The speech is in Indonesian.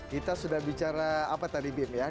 kita sudah bicara apa tadi bim ya